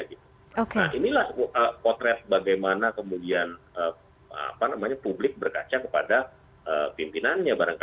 nah inilah potret bagaimana publik berkaca kepada pimpinannya